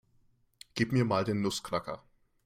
Gib mir mal den Nussknacker.